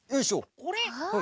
これ。